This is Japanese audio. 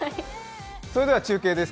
それでは中継です。